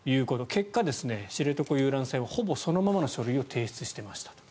結果、知床遊覧船はほぼそのままの書類を提出していました。